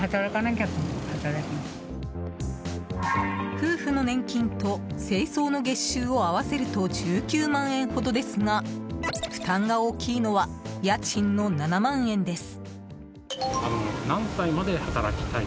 夫婦の年金と清掃の月収を合わせると１９万円ほどですが負担が大きいのは家賃の７万円です。